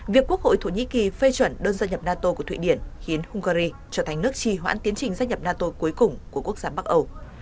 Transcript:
việc quốc hội thổ nhĩ kỳ phê chuẩn đơn gia nhập nato của thụy điển khiến hungary trở thành nước trì hoãn tiến trình gia nhập nato cuối cùng của quốc gia bắc âu